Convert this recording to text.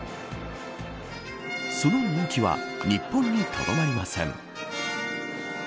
その人気は日本にとどまりません。